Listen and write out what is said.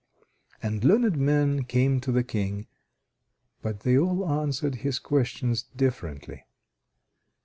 And learned men came to the King, but they all answered his questions differently.